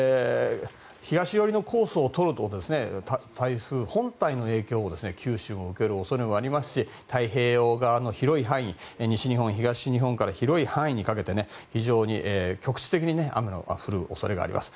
東寄りのコースをとると台風本体の影響を九州も受ける可能性がありますし西日本、東日本の広い範囲にかけて非常に局地的に雨が降る恐れがあります。